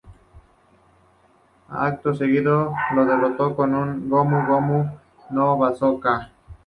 Acto seguido, lo derrotó con un "Gomu Gomu no Bazooka".